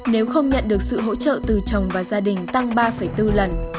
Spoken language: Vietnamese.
nếu không nhận được sự hỗ trợ từ chồng và gia đình tăng ba bốn lần